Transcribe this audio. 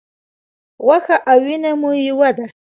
غوښه او وینه مو یوه ده.